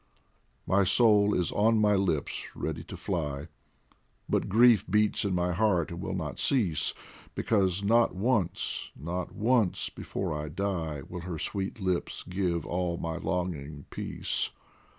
My soul is on my lips ready to fly, But grief beats in my heart and will not cease, Because not once, not once before I die, Will her sweet lips give all my longing peace.